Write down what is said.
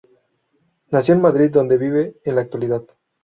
Nació en Madrid donde vive en la actualidad.